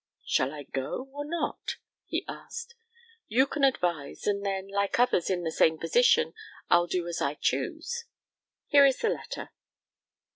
"Shall I go or not?" he asked. "You can advise, and then, like others in the same position, I'll do as I choose. Here is the letter."